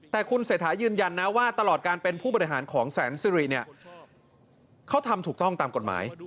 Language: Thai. แต่คุณเศรษฐายืนยันนะว่าตลอดการเป็นผู้บริหารของแสนสิริเนี่ยเขาทำถูกต้องตามกฎหมาย